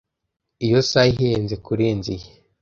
Iyo saha ihenze kurenza iyi.